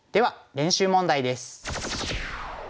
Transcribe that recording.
練習問題です。